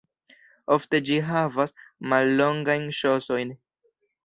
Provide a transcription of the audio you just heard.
Ofte ĝi havas mallongajn ŝosojn.